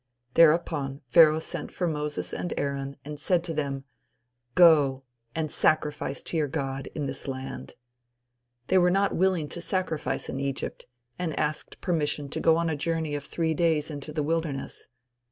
Thereupon Pharaoh sent for Moses and Aaron and said to them: "Go, and sacrifice to your God in this land." They were not willing to sacrifice in Egypt, and asked permission to go on a journey of three days into the wilderness.